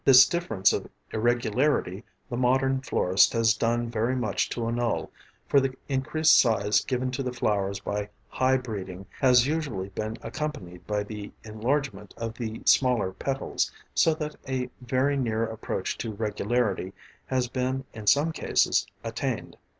This difference of irregularity the modern florist has done very much to annul, for the increased size given to the flowers by high breeding has usually been accompanied by the enlargement of the smaller petals, so that a very near approach to regularity has been in some cases attained.